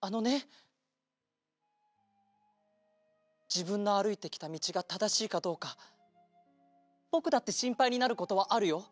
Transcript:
あのねじぶんのあるいてきたみちがただしいかどうかぼくだってしんぱいになることはあるよ。